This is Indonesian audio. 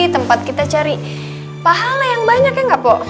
tempat kita cari pahala yang banyak ya nggak po